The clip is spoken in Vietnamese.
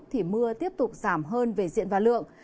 thì mưa tiếp tục giảm hơn về diện và lượng